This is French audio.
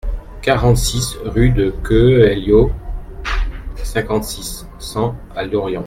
quarante-six rue de Quehellio, cinquante-six, cent à Lorient